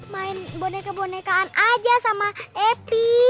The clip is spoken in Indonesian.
main boneka kebonekaan aja sama epi